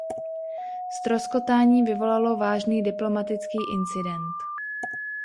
Ztroskotání vyvolalo vážný diplomatický incident.